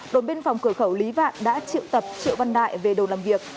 đồn biên phòng cửa khẩu lý vạn đã triệu tập triệu văn đại về đồ làm việc